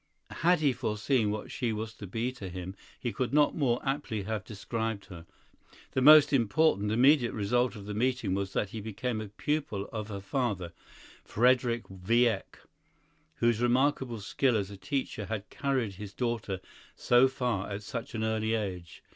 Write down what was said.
Had he foreseen what she was to be to him, he could not more aptly have described her. The most important immediate result of the meeting was that he became a pupil of her father, Friedrich Wieck, whose remarkable skill as a teacher had carried his daughter so far at such an early age.